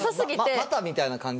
「又」みたいな感じ。